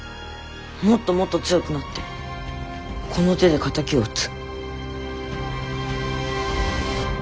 もっともっと強くなってこの手で敵を討つ。